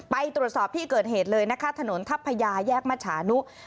ไปตรวจสอบที่เกิดเหตุเลยนะคะถนนทัพพญาแยกมฉานุ